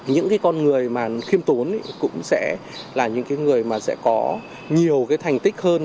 những cái con người mà khiêm tốn ấy cũng sẽ là những cái người mà sẽ có nhiều cái thành tích hơn